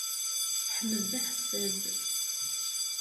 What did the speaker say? Ḥmed d aḥessad.